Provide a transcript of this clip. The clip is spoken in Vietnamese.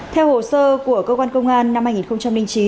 theo hồ sơ của cơ quan công an năm hai nghìn chín